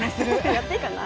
やっていいかな。